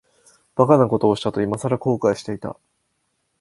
馬鹿なことをしたと、いまさら後悔していた。